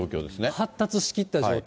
発達しきった状態。